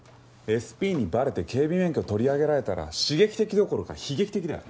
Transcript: ＳＰにバレて警備免許取り上げられたら刺激的どころか悲劇的だよ。